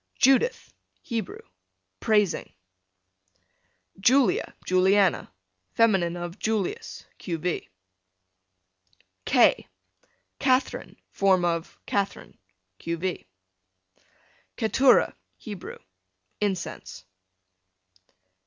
Judith, Hebrew, praising. Julia, Juliana, fem. of Julius, q. v. K Katherine, form of Catherine, q. v. Ketura, Hebrew, incense.